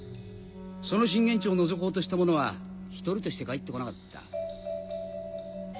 その震源地をのぞこうとした者は１人として帰ってこなかった。